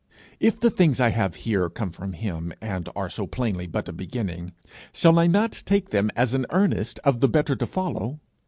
If the things I have here come from him, and are so plainly but a beginning, shall I not take them as an earnest of the better to follow?